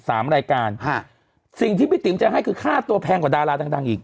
สามรายการฮะสิ่งที่พี่ติ๋มจะให้คือค่าตัวแพงกว่าดาราดังดังอีก